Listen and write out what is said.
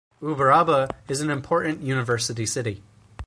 Uberaba is an important university city.